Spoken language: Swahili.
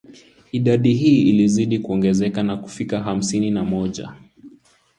Idadi hii ilizidi kuongezeka na kufika hamsini na moja